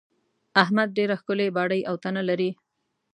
احمد ډېره ښکلې باډۍ او تنه لري.